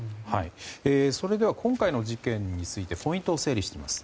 それでは今回の事件についてポイントを整理します。